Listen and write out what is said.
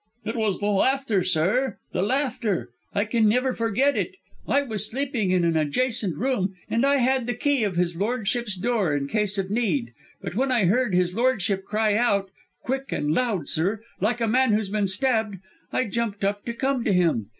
"It was the laughter, sir! the laughter! I can never forget it! I was sleeping in an adjoining room and I had the key of his lordship's door in case of need. But when I heard his lordship cry out quick and loud, sir like a man that's been stabbed I jumped up to come to him.